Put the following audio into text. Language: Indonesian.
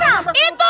mas apaan itu